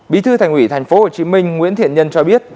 bí thư thành ủy tp hcm nguyễn thiện nhân cho biết